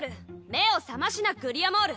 目を覚ましなグリアモール！